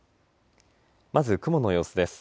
まず雲の様子です。